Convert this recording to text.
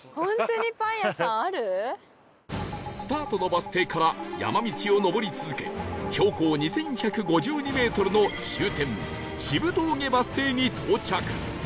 スタートのバス停から山道を上り続け標高２１５２メートルの終点渋峠バス停に到着